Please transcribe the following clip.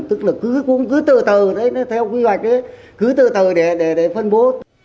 tức là cứ tự tờ đấy theo quy hoạch đấy cứ tự tờ để phân bố